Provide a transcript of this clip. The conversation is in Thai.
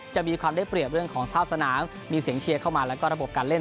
จะมีความได้เปรียบเรื่องของสภาพสนามมีเสียงเชียร์เข้ามาแล้วก็ระบบการเล่น